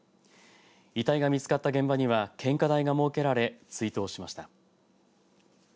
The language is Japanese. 遺体が見つかった現場には献花台が設けられ追悼しました。